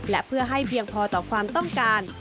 และเพื่อให้เพียงพอต่อความต้องการ